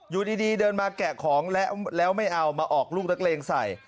อยู่ดีเดินมาแกะของแล้วไม่เอามาออกลูกนักเลงใส่